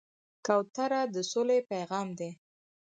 کوتره د سولې پیغام لري.